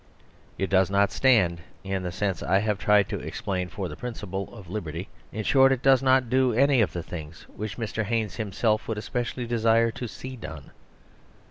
It does not stand, in the sense I have tried to explain, for the principle of liberty. In short, it does not do any of the things which Mr. Haynes him self would especially desire to see done.